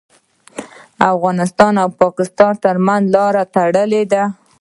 د افغانستان او پاکستان ترمنځ لارې تړلي دي.